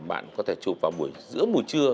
bạn có thể chụp vào buổi giữa mùa trưa